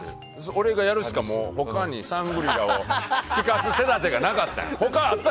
俺がやるしか他に「シャングリラ」を聴かす手立てがなかったんや。